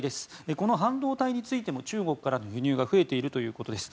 この半導体についても中国からの輸入が増えているということです。